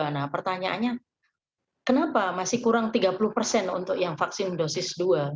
nah pertanyaannya kenapa masih kurang tiga puluh persen untuk yang vaksin dosis dua